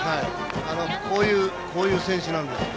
こういう選手なんですよ。